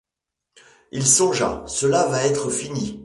Il songea: Cela va être fini.